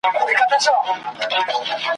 چې زموږ سیمه